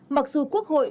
mặc dù quốc hội